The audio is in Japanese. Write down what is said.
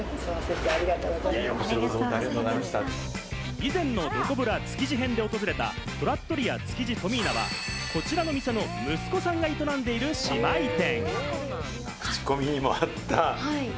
以前のどこブラ築地編で訪れたトラットリア築地トミーナは、こちらのお店の息子さんが営んでいる姉妹店。